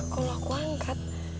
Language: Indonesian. kalau aku angkat